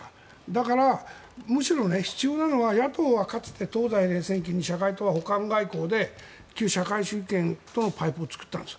だから、むしろ、必要なのは野党はかつて東西冷戦期に社会党は補完外交で旧社会主義圏とのパイプを作ったんです。